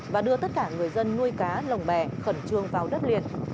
và đưa tất cả người dân nuôi cá lồng bè khẩn trương vào đất liền